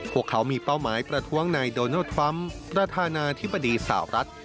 พวกเขามีเป้าหมายประท้วงนายโดนัลดทรัมป์ประธานาธิบดีสาวรัฐ